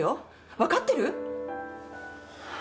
分かってる？